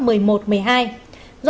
do ảnh hưởng của hoàn lưu báo